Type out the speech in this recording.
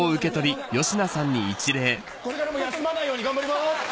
これからも休まないように頑張ります。